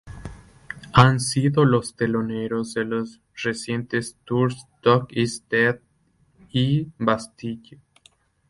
Han sido los teloneros de los recientes tours Dog Is Dead y Bastille.